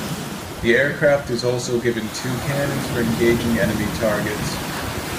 The aircraft is also given two cannons for engaging enemy targets.